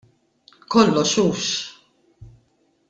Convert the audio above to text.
Kollox hux.